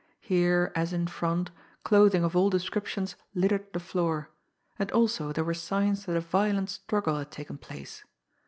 Here, as in front, clothing of all descriptions littered the floor; and also there were signs that a violent struggle had taken place.